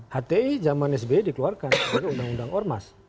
hti zaman sbi dikeluarkan sebagai undang undang ormas